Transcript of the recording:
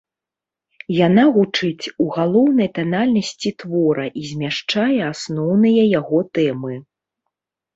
Яна гучыць у галоўнай танальнасці твора і змяшчае асноўныя яго тэмы.